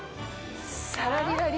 サラリラリ！